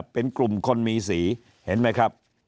เป็นกลุ่มคนมีสีเห็นไหมครับ